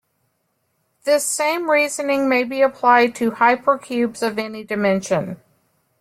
This same reasoning may be applied to hypercubes of any dimension.